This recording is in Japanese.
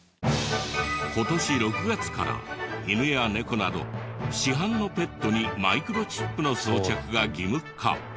今年６月から犬や猫など市販のペットにマイクロチップの装着が義務化。